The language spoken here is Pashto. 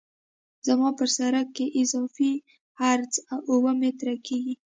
زما په سرک کې اضافي عرض اوه متره کیږي